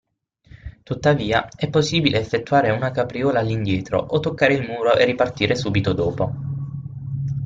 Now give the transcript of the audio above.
Tuttavia, è possibile effettuare una capriola all'indietro o toccare il muro e ripartire subito dopo.